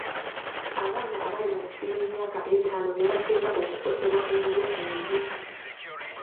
Abaana abali wansi w'emyaka etaano be basinga okukosebwa endya embi.